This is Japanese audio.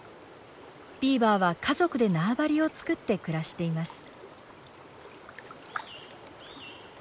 ビーバーは家族で縄張りを作って暮らしています。